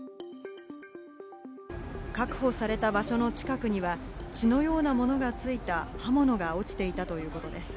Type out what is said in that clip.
確保された場所の近くには血のようなものがついた刃物が落ちていたということです。